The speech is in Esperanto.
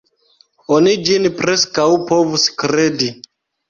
Oni ĝin preskaŭ povus kredi.